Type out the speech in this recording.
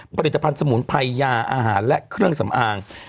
ผลิตภัณฑ์สมุนไพรยาอาหารและเครื่องสำอาง